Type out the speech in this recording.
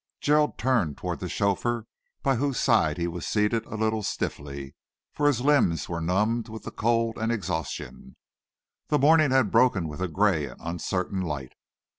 Gerald turned towards the chauffeur by whose side he was seated a little stiffly, for his limbs were numbed with the cold and exhaustion. The morning had broken with a grey and uncertain light.